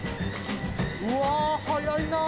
うわ早いなぁ。